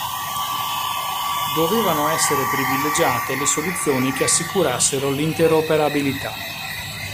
Dovevano essere privilegiate le soluzioni che assicurassero l'interoperabilità.